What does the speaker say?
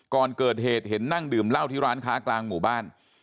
ก่อนเกิดเหตุเห็นนั่งดื่มเหล้าที่ร้านค้ากลางหมู่บ้าน